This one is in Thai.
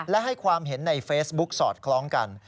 และให้ความเห็นในเฟซบุ๊กสอดคล้องกัน